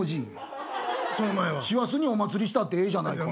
『師走にお祭りしたってええじゃないか！』